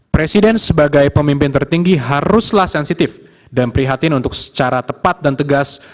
presiden sebagai pemimpin tertinggi haruslah sensitif dan prihatin untuk secara tepat dan tegas